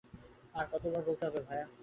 আর করতে হবে না, ভায়া।